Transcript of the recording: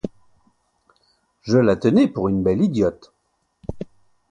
Je la tenais pour une belle idiote.